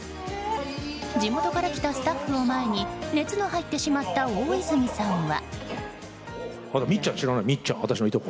地元から来たスタッフを前に熱の入ってしまった大泉さんは。